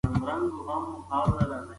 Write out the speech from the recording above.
پښتنو مشرانو دا غوښتنه په کلکه رد کړه.